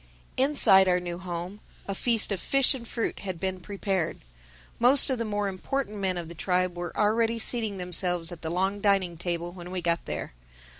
Inside our new home a feast of fish and fruit had been prepared. Most of the more important men of the tribe were already seating themselves at the long dining table when we got there.